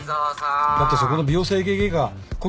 だってそこの美容整形外科顧客